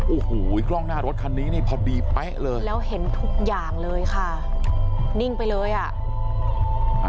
โอ้โหกล้องหน้ารถคันนี้นี่พอดีเป๊ะเลยแล้วเห็นทุกอย่างเลยค่ะนิ่งไปเลยอ่ะ